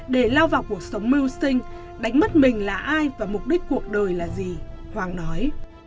để lao vào cuộc sống mưu sinh đánh mất mình là ai và mục đích cuộc đời là gì hoàng nói